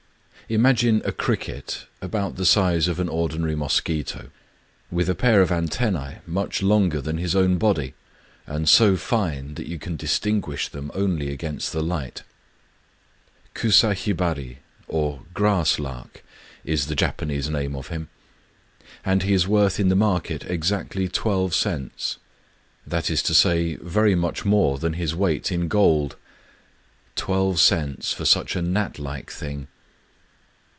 Imagine a cricket about the size of an ordinary mosquito, — with a pair of antennae much longer than his own body, and so fine that you can distinguish them only against the light. Kusa Hibari^ or " Grass Lark," is the Japanese name of_him ; .and he is worth in the market exactly twelve cents: Digitized byVnOOQlC 236 KUSA HIBARI that is to say, very much more than his weight in gold. Twelve cents for such a gnat like thing